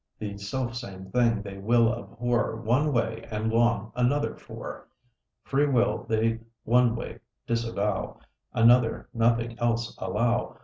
The self same thing they will abhor One way, and long another for. Free will they one way disavow, Another, nothing else allow.